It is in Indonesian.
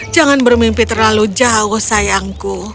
jangan bermimpi terlalu jauh sayangku